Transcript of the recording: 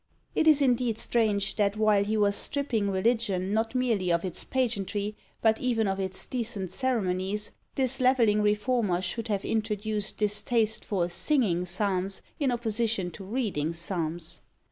It is indeed strange, that while he was stripping religion not merely of its pageantry, but even of its decent ceremonies, this levelling reformer should have introduced this taste for singing psalms in opposition to reading psalms.